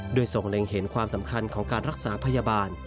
โดยส่งเล็งเห็นความสำคัญของการรักษาพยาบาล